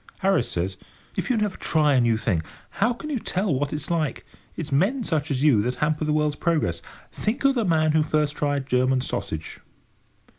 Harris said: "If you never try a new thing, how can you tell what it's like? It's men such as you that hamper the world's progress. Think of the man who first tried German sausage!"